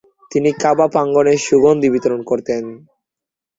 তিনি কাবা প্রাঙ্গনে সুগন্ধি বিতরণ করতেন।